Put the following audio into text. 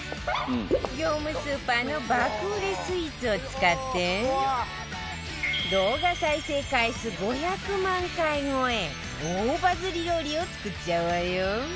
業務スーパーの爆売れスイーツを使って動画再生回数５００万回超え大バズリ料理を作っちゃうわよ